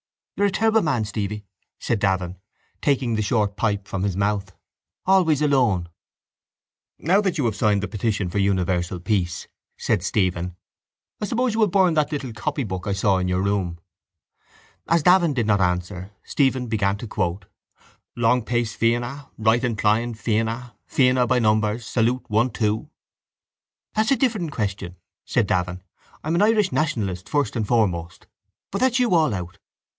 —You're a terrible man, Stevie, said Davin, taking the short pipe from his mouth, always alone. —Now that you have signed the petition for universal peace, said Stephen, I suppose you will burn that little copybook I saw in your room. As Davin did not answer, Stephen began to quote: —Long pace, fianna! Right incline, fianna! Fianna, by numbers, salute, one, two! —That's a different question, said Davin. I'm an Irish nationalist, first and foremost. But that's you all out.